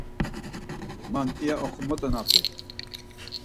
Man iya oxomotzonapi?